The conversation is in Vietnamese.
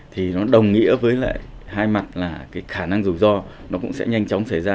thì nó đồng nghĩa với lại hai mặt là cái khả năng rủi ro nó cũng sẽ nhanh chóng xảy ra